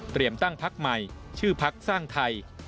ตั้งพักใหม่ชื่อพักสร้างไทย